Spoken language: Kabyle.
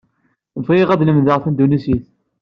Bɣiɣ ad lemdeɣ tindunisit.